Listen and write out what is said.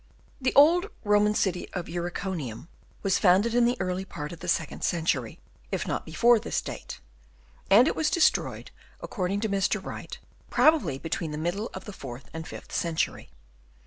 — The old Eoman city of Uriconium was founded in the early part of the second century, if not before this date ; and it was destroyed, according to Mr. Wright, probably between the middle of the fourth and fifth century.